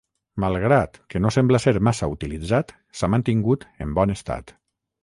Malgrat que no sembla ser massa utilitzat, s'ha mantingut en bon estat.